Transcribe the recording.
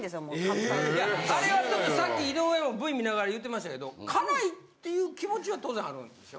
あれはちょっとさっき井上もＶ観ながら言うてましたけど辛いっていう気持ちは当然あるわけでしょ？